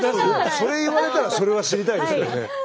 それ言われたらそれは知りたいですけどね。